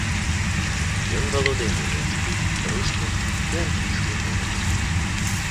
Ён валодае нямецкай, рускай і англійскай мовамі.